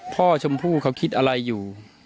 ชมพู่เขาคิดอะไรอยู่